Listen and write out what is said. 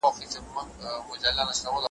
نه پوهیږي چي دی څوک دی د کوم قام دی ,